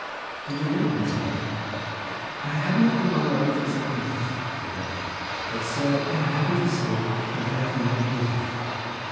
"Did you know him?" said I. "I had not the honour of his acquaintance," said the doctor—"but, sir, I am happy to say that I have made yours."